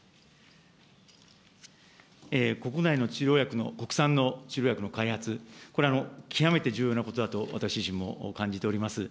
国内の治療薬の国産の治療薬の開発、これ、極めて重要なことだと、私自身も感じております。